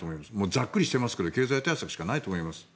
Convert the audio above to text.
ざっくりしていますけど経済対策しかないと思います。